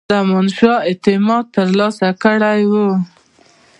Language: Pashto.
زمانشاه اعتماد ترلاسه کړی وو.